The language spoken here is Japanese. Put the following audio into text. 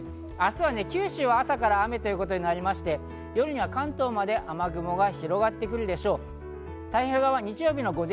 明日は九州は朝から雨ということになりまして、夜には関東まで雨雲が広がってくるでしょう。